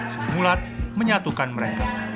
sri mulat menyatukan mereka